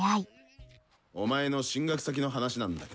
お前の進学先の話なんだけどさ。